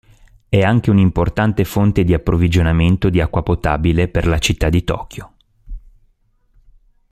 È anche un'importante fonte di approvvigionamento di acqua potabile per la città di Tokyo.